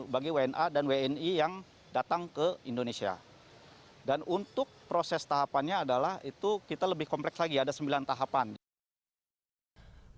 pemeriksaan berlapis dan pemeriksaan berlapis adalah perjalanan internasional di tengah pandemi covid sembilan belas